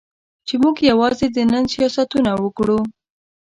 چې موږ یوازې د نن سیاستونه وکړو.